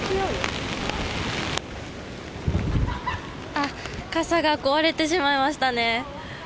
あっ、傘が壊れてしまいましたね。